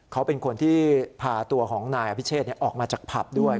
เขาเป็นคนที่พาตัวของนายอภิเชษออกมาจากผับด้วย